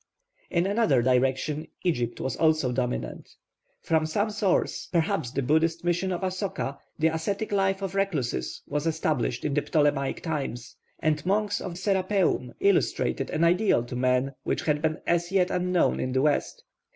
In another direction Egypt was also dominant. From some source perhaps the Buddhist mission of Asoka the ascetic life of recluses was established in the Ptolemaic times, and monks of the Serapeum illustrated an ideal to man which had been as yet unknown in the West.